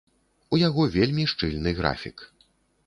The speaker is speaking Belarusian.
У яго вельмі шчыльны графік.